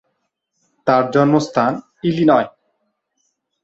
তার জন্ম স্থান ইলিনয়।